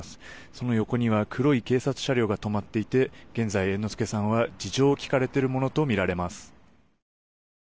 その横には黒い警察車両が止まっていて現在、猿之助さんは事情を聴かれているものとみられます。